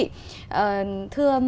thưa mọi người phát ngôn